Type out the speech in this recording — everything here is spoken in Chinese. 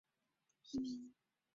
来自欧洲的移民潮亦达到高峰。